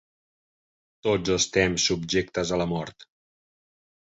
Tots estem subjectes a la mort.